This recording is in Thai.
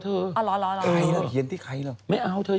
ใครยังไม่รู้เลยนะใครเนิน